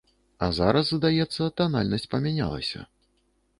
А зараз, здаецца, танальнасць памянялася.